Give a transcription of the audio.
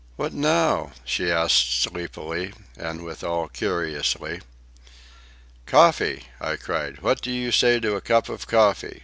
"What now?" she asked sleepily, and, withal, curiously. "Coffee!" I cried. "What do you say to a cup of coffee?